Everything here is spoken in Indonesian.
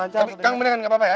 tapi kank bener kan gak apa apa ya